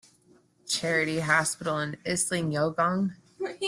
Charity Hospital in Insein, Yangon.